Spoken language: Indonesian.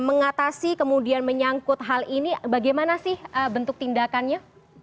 mengatasi kemudian menyangkut hal ini bagaimana sih bentuk tindakannya